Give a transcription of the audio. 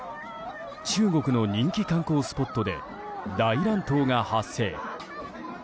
中国の人気観光スポットで大乱闘が発生。